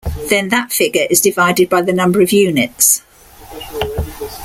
Then that figure is divided by the number of units.